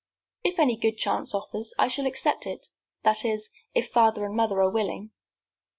"If any good chance offers I shall accept it that is, if father and mother are willing."